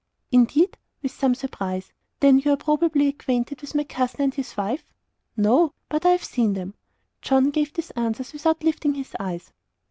"Indeed!" with some surprise. "Then you are probably acquainted with my cousin and his wife?" "No; but I have seen them." John gave these answers without lifting his eyes.